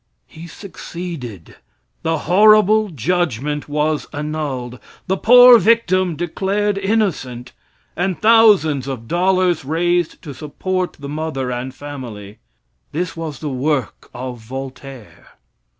He succeeded. The horrible judgment was annulled the poor victim declared innocent and thousands of dollars raised to support the mother and family. This was the work of Voltaire.